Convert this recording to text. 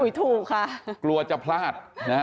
พี่พูดถูกไปกรับว่าจะพลาด